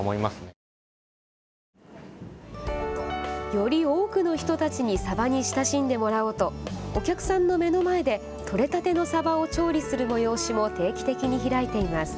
より多くの人たちにサバに親しんでもらおうとお客さんの目の前で取れたてのサバを調理する催しも定期的に開いています。